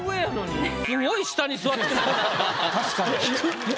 確かに。